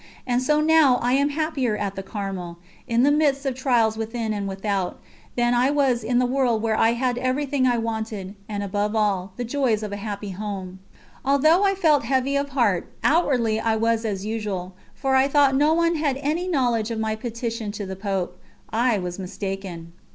And so now I am happier at the Carmel, in the midst of trials within and without, than I was in the world where I had everything I wanted, and, above all, the joys of a happy home. Although I felt heavy of heart, outwardly I was as usual, for I thought no one had any knowledge of my petition to the Pope. I was mistaken.